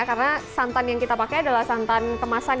karena santan yang kita pakai adalah santan kemasan